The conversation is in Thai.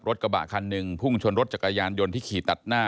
กระบะคันหนึ่งพุ่งชนรถจักรยานยนต์ที่ขี่ตัดหน้า